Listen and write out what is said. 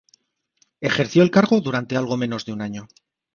Ejerció el cargo durante algo menos de un año.